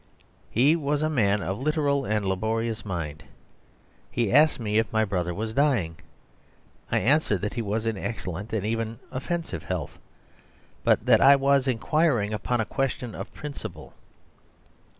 He was a man of literal and laborious mind; he asked me if my brother was dying. I answered that he was in excellent and even offensive health, but that I was inquiring upon a question of principle.